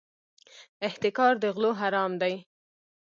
احتکار د غلو حرام دی.